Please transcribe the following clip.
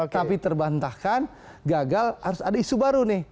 tapi terbantahkan gagal harus ada isu baru nih